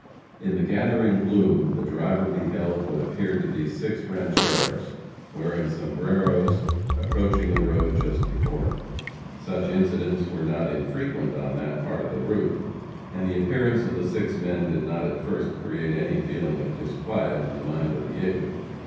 In the gathering gloom, the driver beheld what appeared to be six rancheros, wearing sombreros, approaching the road just before him. Such incidents were not infrequent on that part of the route, and the appearance of the six men did not at first create any feeling of disquiet in the mind of the Jehu.